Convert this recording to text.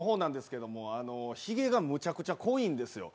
早速、僕のほうなんですけどもひげがむちゃくちゃ濃いんですよ。